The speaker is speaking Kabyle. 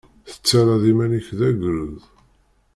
Tettarraḍ iman-ik d agrud.